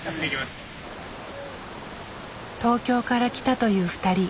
東京から来たという２人。